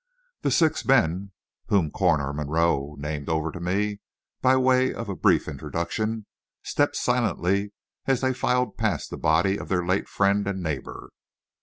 The six men, whom Coroner Monroe named over to me, by way of a brief introduction, stepped silently as they filed past the body of their late friend and neighbor.